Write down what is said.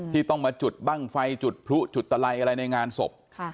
ที่ต้องมาจุดบ้างไฟจุดพลุจุดตะไลอะไรในงานศพ